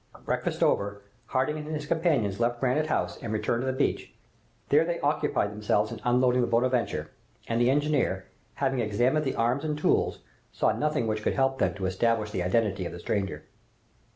Breakfast over, Harding and his companions left Granite House and returned to the beach. They there occupied themselves in unloading the "Bonadventure," and the engineer, having examined the arms and tools, saw nothing which could help them to establish the identity of the stranger.